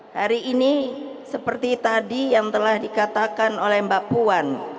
hari ini seperti tadi yang telah dikatakan oleh mbak puan